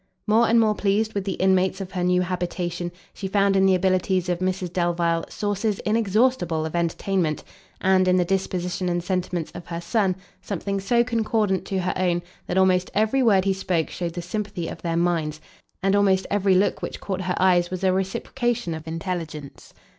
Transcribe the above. More and more pleased with the inmates of her new habitation, she found in the abilities of Mrs Delvile sources inexhaustible of entertainment, and, in the disposition and sentiments of her son something so concordant to her own, that almost every word he spoke shewed the sympathy of their minds, and almost every look which caught her eyes was a reciprocation of intelligence.